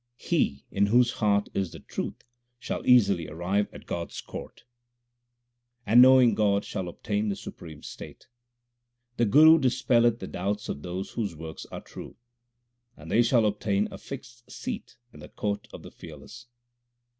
He in whose heart is the truth shall easily arrive at God s court, And, knowing God, shall obtain the supreme state. The Guru dispelleth the doubts of those whose works are true ; And they shall obtain a fixed seat in the court of the Fearless.